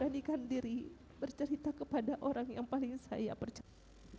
berani bercerita kepada orang yang paling saya percaya